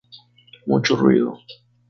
Mucho ruido.